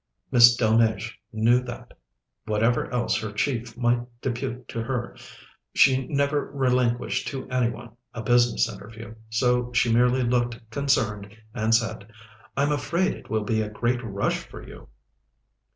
Miss Delmege knew that, whatever else her chief might depute to her, she never relinquished to any one a business interview, so she merely looked concerned and said: "I'm afraid it will be a great rush for you."